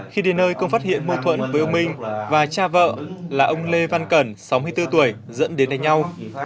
khi đến nơi công phát hiện mâu thuẫn với ông minh và cha vợ là ông lê văn cẩn sáu mươi bốn tuổi dẫn đến đánh nhau